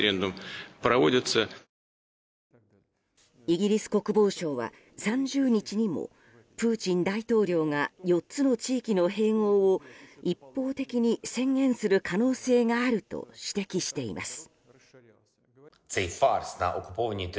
イギリス国防省は３０日にもプーチン大統領が４つの地域の併合を一方的に宣言する可能性があると指摘しています。